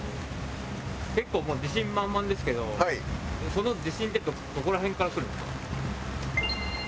結構もう自信満々ですけどその自信ってどこら辺からくるんですか？